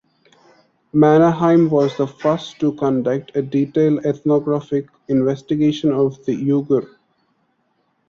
Mannerheim was the first to conduct a detailed ethnographic investigation of the Yugur.